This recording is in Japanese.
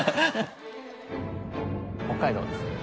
北海道ですよね。